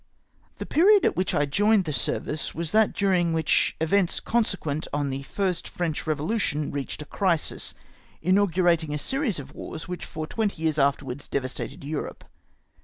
The period at which I joined the service was that during which events consequent on the first French revo lution reached a crisis, inaugurating the series of wars which for twenty years afterwards devastated Europe.